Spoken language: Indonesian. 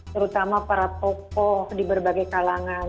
terutama para tokoh di berbagai kalangan